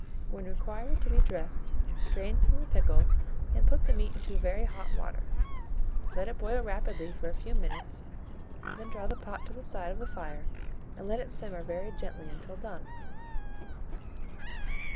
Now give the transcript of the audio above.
When required to be dressed, drain from the pickle, and put the meat into very hot water; let it boil rapidly for a few minutes, when draw the pot to the side of the fire, and let it simmer very gently until done.